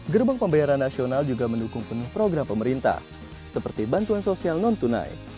gerbong pembayaran nasional juga mendukung penuh program pemerintah seperti bantuan sosial non tunai